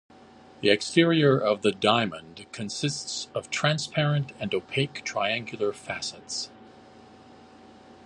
The exterior of the "diamond" consists of transparent and opaque triangular facets.